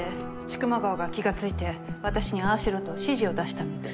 千曲川が気がついて私にああしろと指示を出したので。